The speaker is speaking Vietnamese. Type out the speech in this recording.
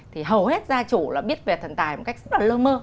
thì hầu hết gia chủ là biết về thần tài một cách rất là lơ mơ